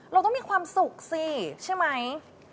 เราต้องมีความสุขสิใช่ไหม